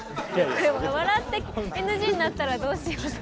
これ笑ってＮＧになったらどうしようと。